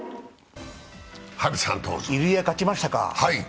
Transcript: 入江が勝ちましたか。